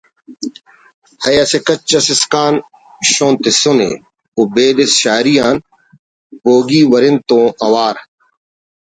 ءِ اسہ کچ اس اسکان شون تسنے او بیدس شاعری آن بوگی ورند تون اوار